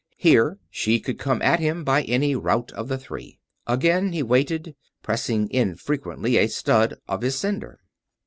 Here she could come at him by any route of the three. Again he waited, pressing infrequently a stud of his sender.